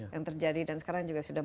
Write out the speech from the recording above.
yang terjadi dan sekarang juga sudah